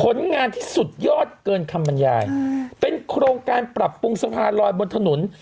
ผลงานที่สุดยอดเกินคำบรรยายเป็นโครงการปรับปรุงสะพานลอยบนถนน